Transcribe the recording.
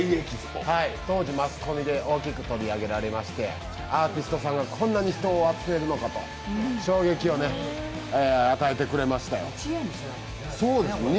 当時マスコミで大きく取り上げられましてアーティストさんがこんなに人を集めるのかと衝撃を与えてくれましたよ。